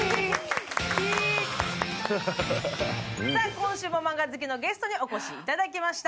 今週もマンガ好きのゲストにお越しいただきました。